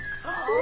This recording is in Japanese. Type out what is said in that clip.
お！